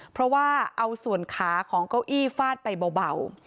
เพราะว่าเอาส่วนขาของเก้าอี้ฟาดไปเบา